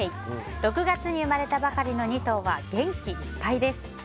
６月に生まれたばかりの２頭は元気いっぱいです。